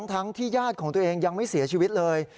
ทั้งที่ญาติของตัวเองยังไม่เสียชีวิตเลย